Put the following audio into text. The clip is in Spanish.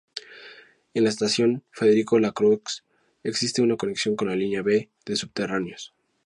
En la estación Federico Lacroze existe una conexión con la línea B de subterráneos.